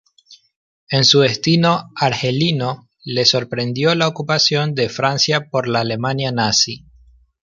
En su destino argelino le sorprendió la ocupación de Francia por la Alemania nazi.